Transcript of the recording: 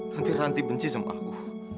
ranti ranti benci sama aku